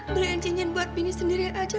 beliin cincin buat bini sendiri aja